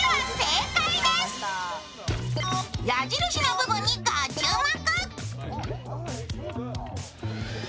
矢印の部分にご注目。